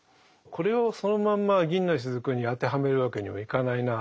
これをそのまんま「銀の滴」に当てはめるわけにはいかないな。